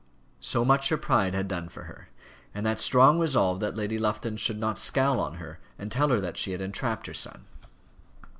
So much her pride had done for her, and that strong resolve that Lady Lufton should not scowl on her and tell her that she had entrapped her son.